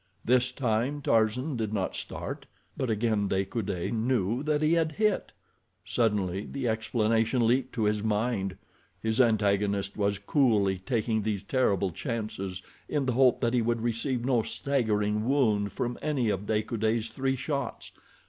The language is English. This time Tarzan did not start, but again De Coude knew that he had hit. Suddenly the explanation leaped to his mind—his antagonist was coolly taking these terrible chances in the hope that he would receive no staggering wound from any of De Coude's three shots.